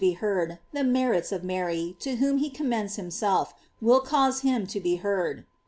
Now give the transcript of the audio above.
Yl be heard, the merits of Mary, to whom he com mends himself, will cause him to be heard.